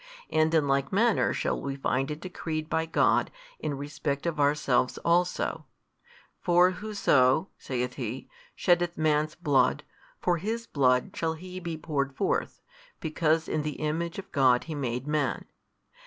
And in like manner shall we find it decreed by God in respect of ourselves also: for Whoso (saith He) sheddeth man's blood, for his blood shall he be poured forth: because in the Image of God He made man.